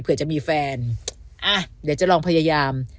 เผื่อจะมีแฟนอ่ะเดี๋ยวจะลองพยายาม